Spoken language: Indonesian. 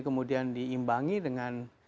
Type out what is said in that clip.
kemudian diimbangi dengan